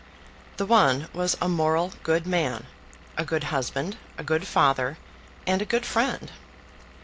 The one was a moral, good man, a good husband, a good father, and a good friend.